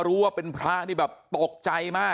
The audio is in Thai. แล้วทีนี้พอคุยมา